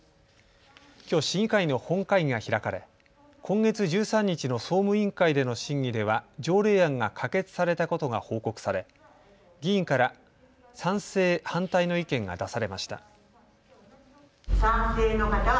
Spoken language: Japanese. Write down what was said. きょう市議会の本会議が開かれ今月１３日の総務委員会での審議では条例案が可決されたことが報告され議員から賛成、反対の意見が出されました。